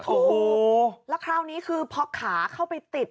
โอ้โหแล้วคราวนี้คือพอขาเข้าไปติด